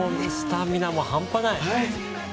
スタミナも半端ない。